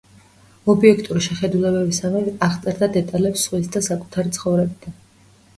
ობიექტური შეხედულებისამებრ აღწერდა დეტალებს სხვისი და საკუთარი ცხოვრებიდან.